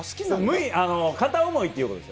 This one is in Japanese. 片思いということです。